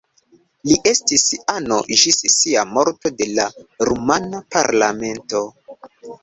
Li estis ano ĝis sia morto de la rumana parlamento.